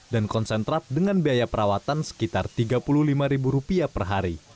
dan konsentrat dengan biaya perawatan sekitar rp tiga puluh lima per hari